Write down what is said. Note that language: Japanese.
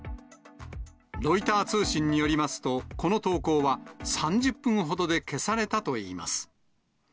ロイター通信によりますと、この投稿は、３０分ほどで消されたといいます。